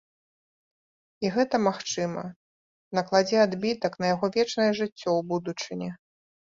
І гэта, магчыма, накладзе адбітак на яго вечнае жыццё ў будучыні.